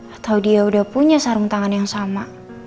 atau dia sudah punya sarung tangan yang sama